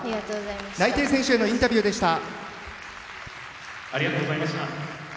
内定選手へのインタビューでした。